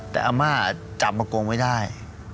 แต่อาม่าจับมาโกงไม่ได้